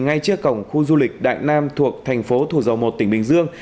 ngay trước cổng khu du lịch đại nam thuộc thành phố thủ dầu một tỉnh bình dương